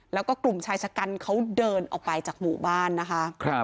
แล้วก็กลุ่มชายชะกันเขาเดินออกไปจากหมู่บ้านนะคะ